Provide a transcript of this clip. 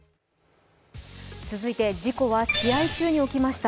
続いて、事故は試合中に起きました。